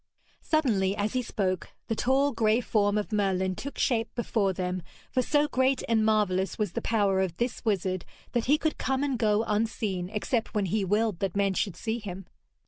Suddenly, as he spoke, the tall grey form of Merlin took shape before them, for so great and marvellous was the power of this wizard, that he could come and go unseen, except when he willed that men should see him.